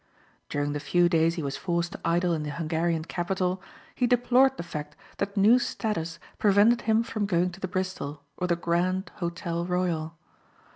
During the few days he was forced to idle in the Hungarian capital he deplored the fact that new status prevented him from going to the Bristol or the Grand Hotel Royal.